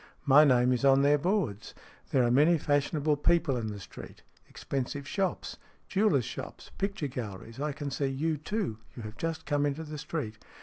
My name is on their boards. There are many fashionable people in the street. Expensive shops. Jewellers' shops, picture galleries. I can see you, too. You have just come into the street."